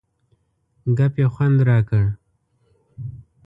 ګپ یې خوند را کړ.